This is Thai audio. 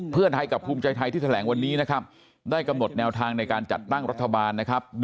เพื่อไทยกับภูมิใจไทยที่แถลงวันนี้นะครับได้กำหนดแนวทางในการจัดตั้งรัฐบาลนะครับ